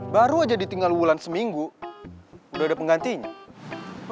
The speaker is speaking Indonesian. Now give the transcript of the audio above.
baru aja ditinggal bulan seminggu udah ada penggantinya